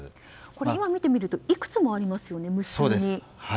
これ、今見てみるといくつもありますね。